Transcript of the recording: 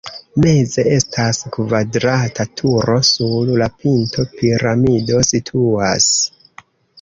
Meze estas kvadrata turo, sur la pinto piramido situas.